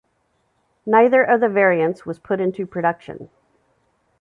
Neither of the variants was put into production.